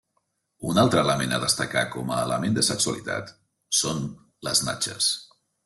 Un altre element a destacar com a element de sexualitat són les natges.